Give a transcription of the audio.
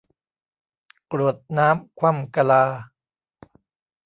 กรวดน้ำคว่ำกะลา